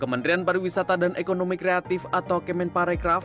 kementerian pariwisata dan ekonomi kreatif atau kemenparekraf